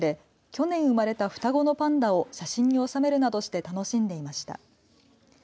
去年、生まれた双子のパンダを写真に収めるなどして楽しんでいました。